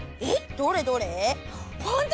どれどれ？